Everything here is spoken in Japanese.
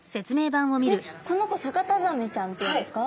えっこの子サカタザメちゃんっていうんですか？